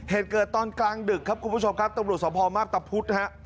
เหตุเกิดตอนกลางดึกครับคุณผู้ชมครับตำรวจสภมาพตะพุธฮะ